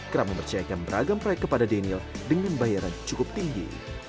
kerap mempercayakan beragam proyek kepada daniel dengan bayaran cukup tinggi